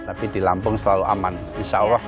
tapi di lampung selalu aman insya allah